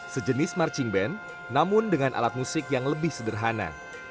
sejenis marching band namun dengan alat musik yang lebih sederhana